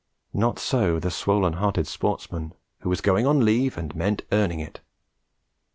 Not so the swollen hearted sportsman who was going on leave and meant earning it.